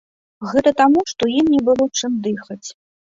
Гэта таму, што ім не было чым дыхаць.